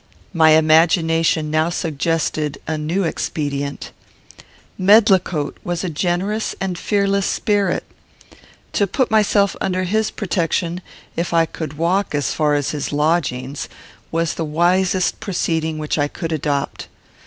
My imagination now suggested a new expedient. Medlicote was a generous and fearless spirit. To put myself under his protection, if I could walk as far as his lodgings, was the wisest proceeding which I could adopt.